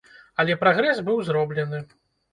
Але прагрэс быў зроблены.